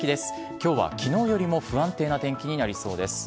きょうはきのうよりも不安定な天気になりそうです。